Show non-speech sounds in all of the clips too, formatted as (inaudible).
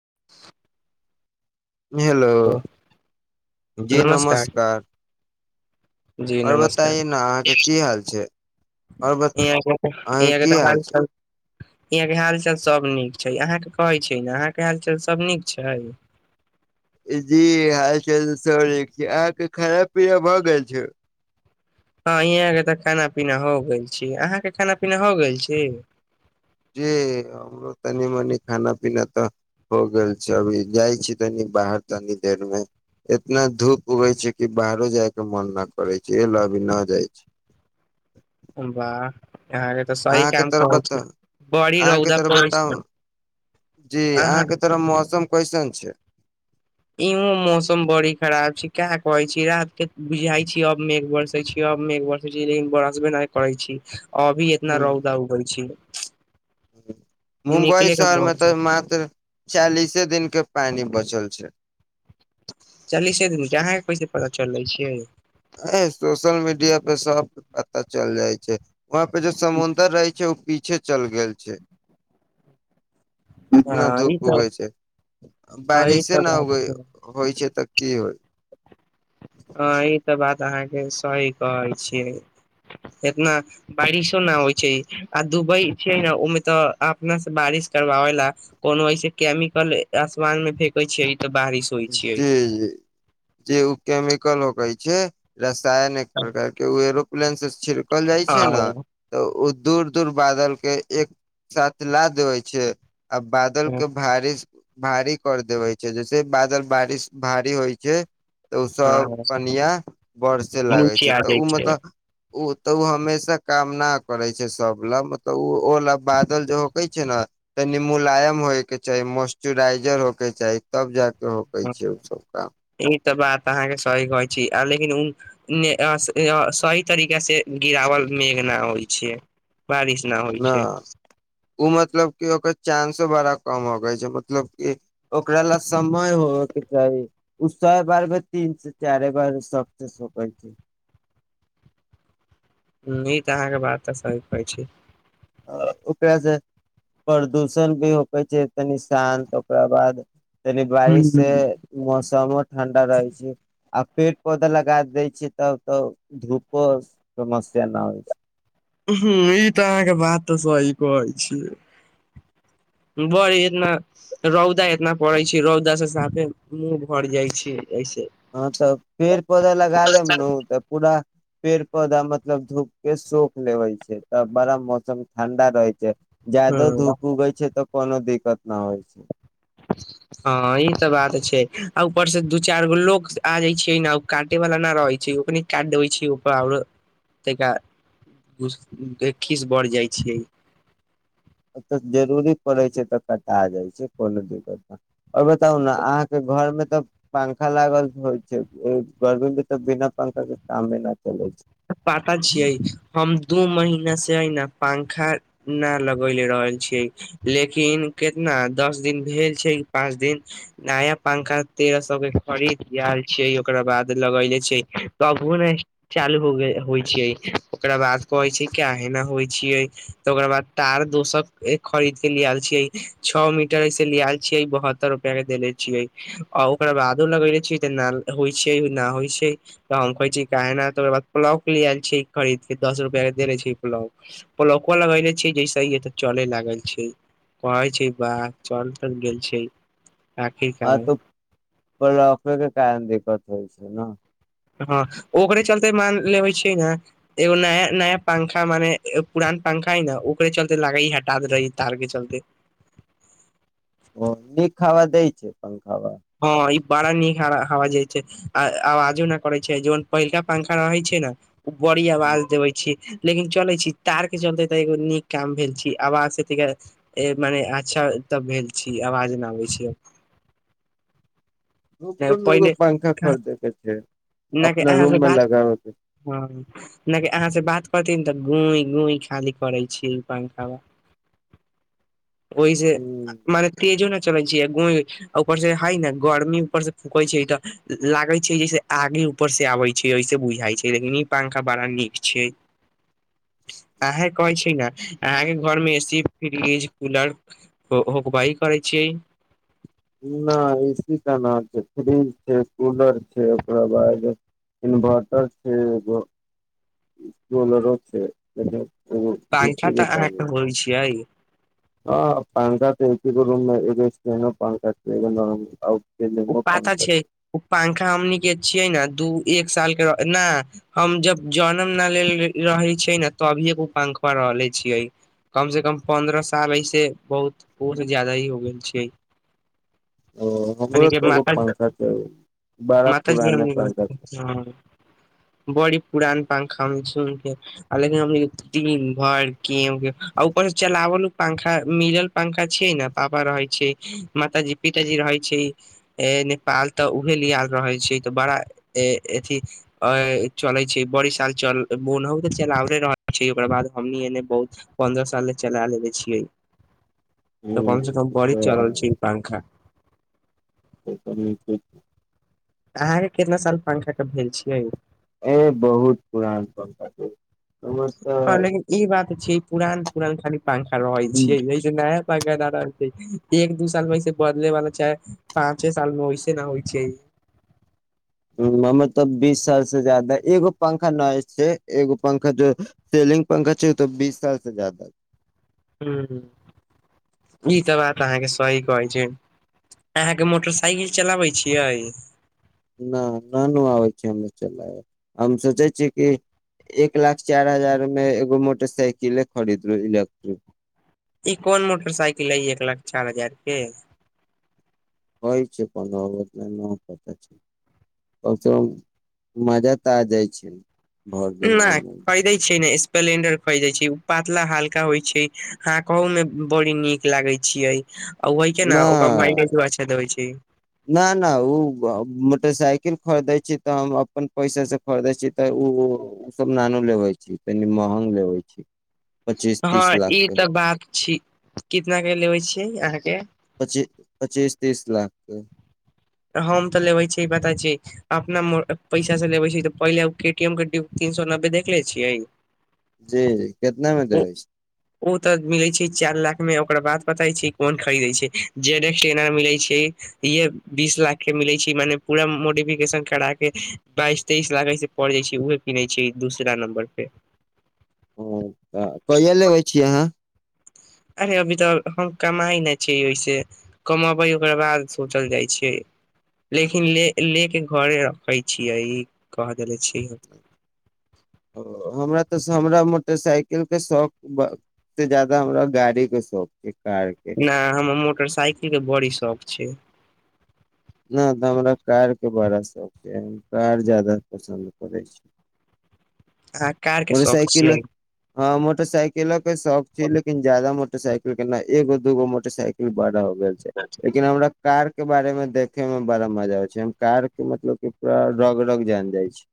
(inaudible) Hello जी नमस्कार जी और नमस्कार बताई ने अहाँके की हाल छै और ब अहाँके की हाल छै। यहाँके हाल चाल सभ नीक छै अहाँके कहै छै ने अहाँके हालचाल सभ नीक छै। जी हाल चाल त छै अहाँके खाना पीना भऽ गेल छै। हँ हहाँके तऽ खाना पीना हो गेल छी अहाँके खाना पीना हो गेल छी। जे हमरो तनी मनी खाना पीना तऽ हो गेल छै अभी जाइ छी तनी बाहर तनी देरमे इतना धूप उगै छै कि बाहरो जायके मन नहि करै छै एहि लए अभी नहि जाइ छी। ह बा। अहाँ के तरफ बताउ, बड़ी अहाँ के रौदा तरफ पड़ै छै बताउ जे अहाँ अहाँके तरफ मौसम कैसन छै। इहो मौसम बड़ी खराब छै, का कहै छी रात के बुझाई छी अब मेघ बरसे छी, अब मेघ बरसे छी लेकिन बरसबे नै करै छी। अभी इतना ह रौदा उगल छै। मुम्बई के शहर मे मन तऽ मात्र चालिसे दिन के पानि बच। चल छै। चालीसे दिने अहाँके कैसे पता चललै छै। ह सोशल मीडिया पे सब पता। चल जाइ छै। वहाँ पे जो समुंद्र रहै छै ओ पी। पीछे चल गेल छै। इतना हँ ई धूप तऽ उगै छै हँ ई बारिशे तऽ नहि बात उग होइ छै तऽ। की हो। ह ई तऽ बात। अहाँ के सही कहै छियै इतना बारिशो न होइ छै आ दुबई छै ने ओमे तऽ अपना से बारिश करवाबे ला कोनो ऐसे केमिकल आसमान मे फेेकै छै। जी जी जी ओ केमे। कलो कै छै। ायन एक प्रकार के ओ एरोप्लेन से छिड़कल जाइ छै ने हँ तऽ ओ। दूर दूर बादल के एक साथ ला देवे छै। आ बादल के भारिश। भारी कर देबै छै जैसे बात। बारिश भारी होइ छै। तऽ ओसभ हँ कनिआ बड़सँ लागै नीचे छै आ तऽ जाइ ओ छै मतलब। ओ तऽ उ हमेशा कामना करे छै सब लग मतलब ओ ओ ल बादल जे होके छै ने तऽ निमूलायम होय के चाही मोइस््चराइजर होय के चाही तब जा के। ई तऽ बात अहाँके सही कहै छी आिन। लेकिन सही तरीका से गिरावल मेघ नहि होइ छै। बारिश न होइ छै। ओ मतलब क ओकर चानंसो बड़ा कम होग छै मतलब कि ओकरा ला समय होबे के चाही ओ सब बार मे तीन से चारे बार सक्सेस हो छै। ई तऽ अहाँके बात तऽ सही कहै छै। ओकरासँ प्रदूषण भी होकै छै तनी शान्त ओकरा बाद। तनि हूँ बारिश से मौसमो ठण्डा रहै छै आ। पेड़ पौधा लगा दै छियै तब त धूपो समस्या न होइ छै। हुं ई त अहाँके बात त सही कहै छी बड़ इतना रौदा इतना पड़े छै रौदा से साफे मुह भर जाइ छै। ऐसे हँ त पेड़ पौधा लगा लेब हँ न त पुरा। पेड़ पौधा मतलब धुप के सोख लेबै छै तब बड़ा मौसम ठंडा रहै छै। जादो हँ धूप उगै छै त कोनो दिक्कत न होइ छै। हँ ई त बात छै आ ऊपरसँ दू चारि गो लोक आ जाइ छैै ने ओ काटयवला नहि रहै छै ओकर नहि काटि देबै छैै ओपर आओर तनिका घस एक खीस बढ़ि जाइ छैिय। तऽ जरूरी पड़ैत छै तऽ कटा जाइत छै कोनो दिक्कत। ओ बताउ ने अहाँके घरमे। तब पंखा लागल होइ छै गर्मी मे तऽ बिना पंखा के साम न चलै छै। पता छियै हम दु महीना से ने पंखा न लगेले रहल छियै लेकिन केितना दस दिन भेल छै पाच दिन नया पंखा तेरह सए के खरीद आल छियै ओकरा बाद लगले छै त अभू ने चालू हो गेल। होइ छैय ओकरा बाद कहै छै कि अहिना होइ छियै त ओकरा बाद तार दोसर खरीद के लय आयल छियै छओ मीटर से लय आयल छियै बहत्तर रूपआ के देले छियै आ ओकरा बादो लगेले छियै त होइ छै नै होइ छै त हम कहै छियै काहे ना त ओकरा बाद प्लग ले आयल छै खरीद के दस रूपआ के देनेे छै प्लग, प्लगो लगेनेे छै जैसे हे त चले लागल छै कहे छै वाह चल चल गेल छै। हँ आखिरकार त। तहि के कारण दिकत होइ छै ने। हां ओकरे चलते मान लेबइ छै ने एगो नया नया पंखा मने पुरान पंखा हइ ने ओकरे चलते लागै हटा द रहै तार के चलते। ओ न खाावा दै छै प। (unintelligible) हां इ बड़ा नीक हवा जाइ छै आवाजो नहि करै छै जन पहिलका पंखा रहै छै ने बड़ी आवाज देबै छै। लेकिन चलै छी तार के चलते त एगो नीक काम भेल छी आवाज त मने अच्छा तब भेल छी आवाज नहि अबै छी। दु गो पहिले पंखा खरीदे के छै अपना रूम मे लगाबे के छै। नहि कि अहाँ से बात करथिन त गूई गूई खाली करै छी पंखाबा। ओहि से ह मने तेजो ने। चलै छै गुइ आ ओहि पर से। है ने गर्मी ऊपर से फुकै छै त लागे छै जैे आगे ऊपर से आबै छै ऐसे बुझाइ छै लेकिन ई पंखा बड़ा नीक छै अहां कहै छै न अहाँके घर मे ए सी फ्रिज कूलर होबे करै छियै। ना एसी त ना छै, फ्रीज छै, कुलर छै ओकरा बाद इन्वर्टर छै, सोलर छै। एगो पंखा त अहाँके होय छियै। हां पंखा त होइ छै लेकिन एगो और पंखा ओ पातर छै, ओ पंखा हमनी के छियै ने दू एक साल के न हम जब जनम न लेने रहे छै ने तभी के उ पंखा रहले छियै कम से कम पन्द्रह साल ऐसे बहुत जादा ही हो गेल छै। हां, ओ हमरो त एगो माता पंखा छै, बड़ा माताजी पुराना हमनी पंखा छै। के हँ बड़ी पुरान पंखा सुन के लेकिन दिन भर के ऊपर से चलावल पंखा मिलल पंखा छै ने पापा रहे छै माताजी पिताजी रहै छै। ए नेपाल त उहे लिए आर रहै छै तऽ बड़ा अथि चलै छै बड़ी साल चलनहु त चलावे रहल छै ओकरा बाद हमनी एने बहुत पन्द्रह साल से चला लेे छियै। त हम्म, कमसँ कम ई बड़ी तऽ चलल छै ई पंखा। ओ त नीके छै। अहाँके कितना साल पंखा के भेल छियै। ओ बहुत पुरान पंखा छै। हमर हॅं तऽ लेकिन ई बात छै पुरान पुरान खाली पंखा रहै छियै जैसे नया (unintelligible) एक दू साल मे ऐसे बदले वाला चाहे पाँचे साल मे वैसे ना होइ छै। हमें तऽ बीस साल से जादा एगो पंखा नये छै एगो पंखा जो सीलिंग पंखा छै ऊ त बीस साल से जादाा। हुं, इ त बात अहाँके। सही कहै छियै, अहाँके मोटरसाइकिल चलाबै छियै। न नै आबै छै चलाब, हम सोचै छियै कि एक लाख चार हजार मे एगो मोटरसाइकिले खरीद लू इलेक्ट्रिक। ई कोन मोटरसाइकिल अइ एक लाख चार हजार के? होइ छै को नै पता छै प मजा त आ जाइ छै। भर दिन नहि घुमै पहिरई छै नहि स्पलेंडर खोजय छै उ पातला हल्का होय छै हाॅंकहो में बड़ी नीक लागै छीयई आ ओहि के ने ओकर मायलेजो अच्छा देबई छै। ना ना ओ मोटरसाइकिल खरीदै छी तऽ हम अपन पैसा से खरीदै छी तऽ ऊ ओसभ नानु लेबै छी तनी महंग लेबै छी। पच्चीस तीस हँ लाख ई के तऽ बात छी कितना के लेबे छियै अहाँके? पची पच्चीस तीस लाखके। हम तऽ लेबै छियै पता छी अपना मो पैसा से लेबै छी तऽ पहिले हम के टी एम के डीप तीन सए नब्बे देख ले छियै। जी कितना मे ओ देबै छी? ओ तऽ मिलै छै चार लाख मे ओकरा बाद बताई छी कोन खरीदै छै जेड एक्स एना मिलै छै ईए बीस लाख के मिलै छै मने पूरा मोडिफिकेशन करा के बाईस तेइस लाख ऐसे पड़ जाइ छै उहे पीन्है छै दूसरा नम्बर पे। हं तऽ कहिया लेबै छीयै अहाँ? अरे अभी तऽ हम कमाई ना छीयै ओहिसे कमबै ओकर बाद सोचल जाइ छियै लेकिन लेके लेके घरे अबै छियै कह देले छी ओ हमरा तऽ स् हमरा मोटरसाइकिल के शौक ब से जादा हमरा गाड़ी के शौक अई ना हमरा मोटरसाइकिल के बड़ी शौक छै। ना तऽ हमरा कार के बड़ा शौक यै कार जादा पसन्द करै छी। अहाँ कार के शौक मोटरसाईकिल छियै हँ मोटरसाईकिलो के शौख छै लेकिन जादा मो साइकिल केना एगो दूगो मोटर साइकिल बडा गेल छै लेकिन हमरा कार के बारे मे देख खे मे बड़ा मजा आबई छै हम कार के मतलब कि पूरा रग रग जान जाई छी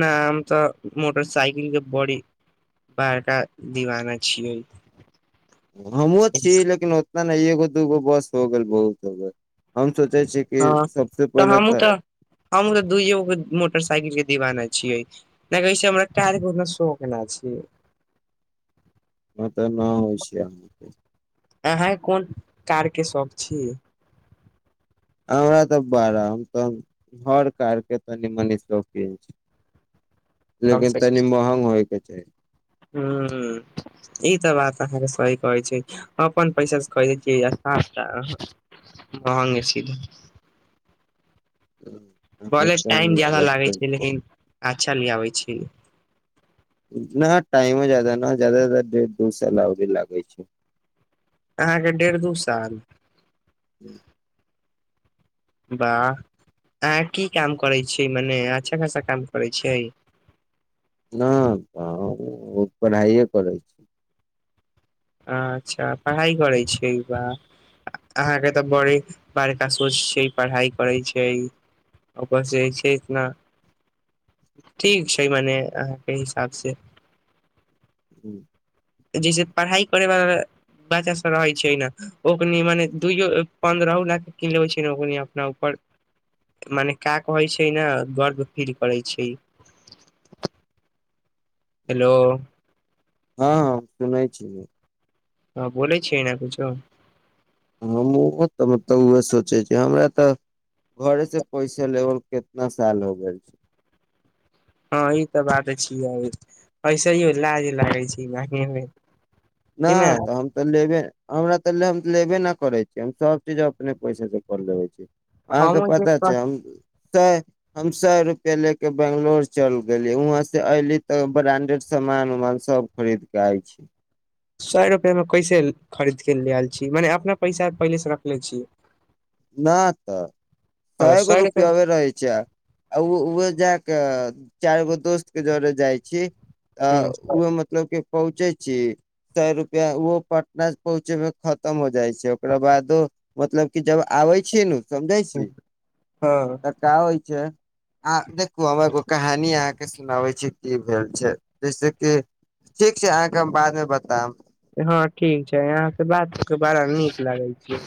ना हम तऽ मोटरसाईकिल के बड़ी बड़का दीवाना छियै। हमहुँओछी लेकिन ओत ना ना एगो दूगो बस हो गेल बहुत हो गेल हम सोचै छी कि हँ सबसे तऽ पहिले हमूँ तऽ हमूँ तऽ दूईएगो मोटरसाइकिल दिवाना छियै नहि हमरा कारके उतना शौख ना छै उतऽ न होइ छै आ अहाँके कोन कारके शौक छी? हमरा तऽ बारा आ तऽ हर कारके त नि मनी रौपी छी। कम लेकिन से तनी महग होयके चाही। हूँ ई बात अहाँके सही कहै छै अपन पैसा कह महंगे छी। अहाँ भले एकदम टाईम नीक बात लागे कहै छै लेकिन अच्छा लीयाबे छै। छी ना टाईमो जादा न जादा से जादा डेढ़ दू साल ओरे लागै छै। अहाँके डेढ़ दू साल। ह्म। वाह अह की काम करै छियै मने अच्छा खासा काम करै छियै। नहि तऽ ओ पढ़ाइए करै छी। अच्छा पढ़ाइ करै छै बा अहाँके तऽ बड़े बड़का सोच छै पढ़ाइ करै छै ओकरस छै इतना ठीक छै मने अहाँके हिसाबसँ। हू। जैसे पढ़ाइ करयवला बच्चास सभ रहै छै ने ओ कनि मने दुइयो पन्द्रहो लए कऽ कन लेबै छै ने ओ क अपना ऊपर मने क्य कहै छै ने गर्व फील करै छै। हेलो। हँ हँ सुनै छी। हँ बोलै छियै ने किुछो। हम ओहो तऽ मलब उह सोचै छ हमरा तऽ घरे से पैसे लेबल कितना साल हो गेल छै। ह ई त बात छियै ऐसेो लाज लागै छै। कि ने नहि तऽ हम तऽ लेबे हमरा। हम लेबे न करे छीियै हम सब चीज अपने पैसे से कर लेबे छी। अहाँके हम पता छै हम। स हम सए रुपैआ लऽ कऽ बेंगलोर चलि गेली वहाँसँ अयली तऽ ब्रां्डेड सामान उमान सभ खरीद कऽ आइ छी। सए रुपैआमे कैसे खरीद क ल आयल छी मने अपना पैसा पहिलेसँ रखले छीियै। नहि तऽ सए गो रुपआवे रहै छैह जा। चारि गो दोस्त के जरे जाइ छी। आ उह मतलब कि पहुँचै छै। सए रुपआ ओ पटना पहुँचे मे खतम हो जाइ छै ओकरा बादो मतलब क जब। आबै छीय न। समझै छी हँ त। आ देखू हम एगो कहानी अहाँके सुनाबै छी की भेल छै जैसेक ठीक छै अहाँके हम बादमे बतायब। हँ ठीक छै यहाँके बातके बड़ा नीक लागै छै।